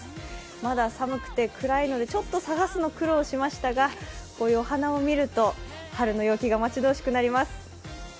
まだ寒くて暗いのでちょっと探すの苦労しましたがこういうお花を見ると、春の陽気が待ち遠しくなります。